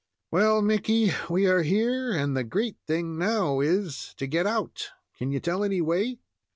"Well, Mickey, we are here, and the great thing now is to get out. Can you tell any way?"